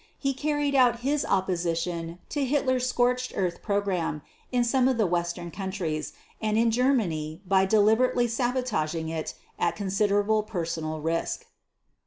He carried out his opposition to Hitler's scorched earth program in some of the Western countries and in Germany by deliberately sabotaging it at considerable personal risk.